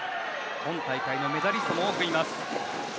今大会のメダリストも多くいます。